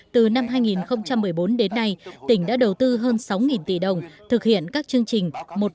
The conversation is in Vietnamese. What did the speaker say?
từ năm hai nghìn một mươi bốn đến nay tỉnh đã đầu tư hơn sáu tỷ đồng thực hiện các chương trình một trăm ba mươi bốn một trăm ba mươi năm